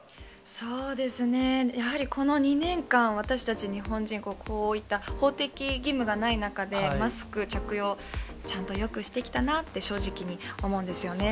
そうですね、やはりこの２年間、私たち日本人、こういった法的義務がない中で、マスク着用、ちゃんとよくしてきたなって、正直に思うんですよね。